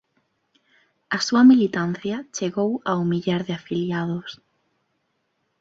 A súa militancia chegou ao millar de afiliados.